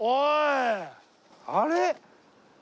あれ？